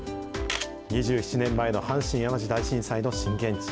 ２７年前の阪神・淡路大震災の震源地。